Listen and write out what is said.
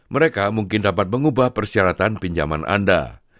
mereka mungkin dapat mengubah persyaratan pinjaman anda